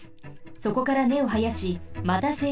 そこからねをはやしまたせいちょうします。